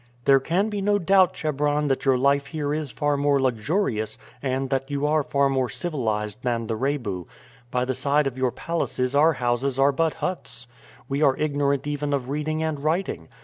"There can be no doubt, Chebron, that your life here is far more luxurious and that you are far more civilized than the Rebu. By the side of your palaces our houses are but huts. We are ignorant even of reading and writing.